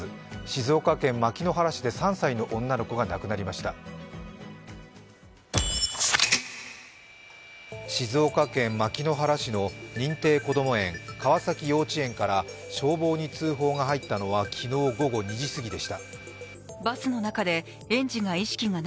静岡県牧之原市の認定こども園川崎幼稚園から消防に通報が入ったのは昨日午後２時すぎでした。